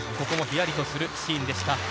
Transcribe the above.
ここもヒヤリとするシーンでした。